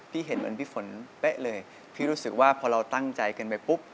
เห็นเหมือนพี่ฝนเป๊ะเลยพี่รู้สึกว่าพอเราตั้งใจกันไปปุ๊บ